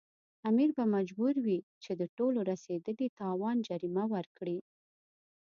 امیر به مجبور وي چې د ټولو رسېدلي تاوان جریمه ورکړي.